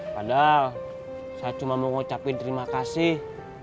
padahal saya cuma mau ngucapin terima kasih